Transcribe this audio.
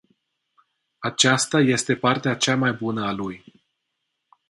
Aceasta este partea cea mai bună a lui.